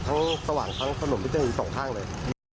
ทั้งสว่างทั้งสนุมทั้งทั้ง๒ข้างเลย